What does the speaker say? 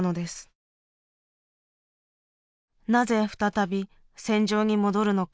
なぜ再び戦場に戻るのか。